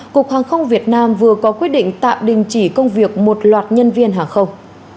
cục hàng không việt nam vừa có quyết định tạm đình chỉ công việc một loạt nhân viên hàng không